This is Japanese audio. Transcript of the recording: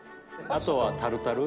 あとはタルタル？